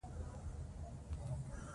ژمی د افغانستان د انرژۍ سکتور برخه ده.